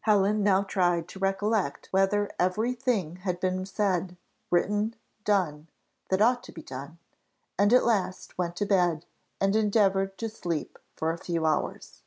Helen now tried to recollect whether every thing had been said, written, done, that ought to be done; and at last went to bed and endeavoured to sleep for a few hours.